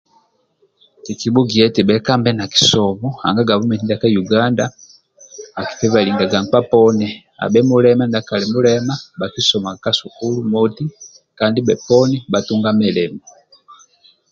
Kikibhugia eti bhuekambe na kisomo anga gavumenti ndia ka Yuganda akifevalingaga nkpa poni abhe mulema na mindiakali mulema bhakisoma ka sukulu moti Kandi bhoponi bhatunga milimo